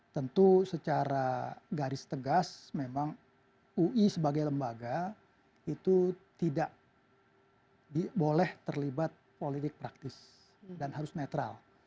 tentu secara garis tegas memang ui sebagai lembaga itu tidak boleh terlibat politik praktis dan harus netral